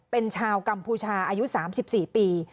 เป็นชาวกัมพูชาอายุ๓๔ปี